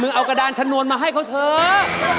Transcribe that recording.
เอากระดานชนวนมาให้เขาเถอะ